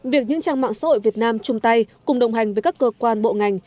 việc những trang mạng xã hội việt nam chung tay cùng đồng hành với các cơ quan bộ ngành